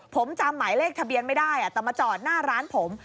ผมจำหมายเลขทะเบียนไม่ได้แต่มาจอดหน้าร้านผม